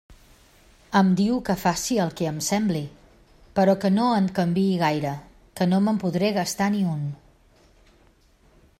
Em diu que faci el que em sembli, però que no en canviï gaire, que no me'n podré gastar ni un.